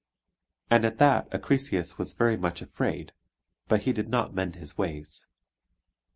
And at that Acrisius was very much afraid; but he did not mend his ways.